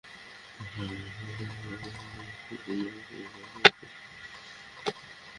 উপলব্ধি করলাম, আমরা দুজনই নিঃসঙ্গ আর আমাদের একে অপরের প্রয়োজন।